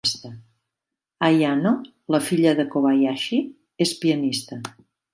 Ayano, la filla de Kobayashi, és pianista.